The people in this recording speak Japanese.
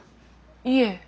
いえ。